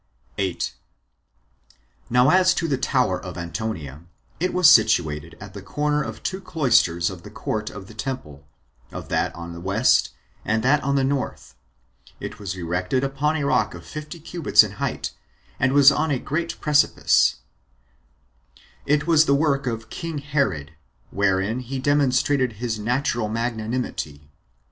8. Now as to the tower of Antonia, it was situated at the corner of two cloisters of the court of the temple; of that on the west, and that on the north; it was erected upon a rock of fifty cubits in height, and was on a great precipice; it was the work of king Herod, wherein he demonstrated his natural magnanimity.